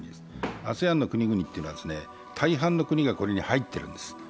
ＡＳＥＡＮの国々というのは大半の国がここに入っているんです。